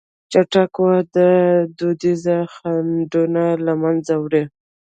چټکه وده دودیز خنډونه له منځه وړي.